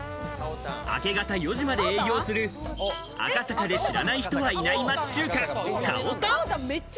明け方４時まで営業する赤坂で知らない人はいない町中華、かおたん。